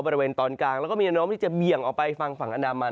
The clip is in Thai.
บริเวณตอนกลางแล้วก็มีแนวโน้มที่จะเบี่ยงออกไปฝั่งฝั่งอันดามัน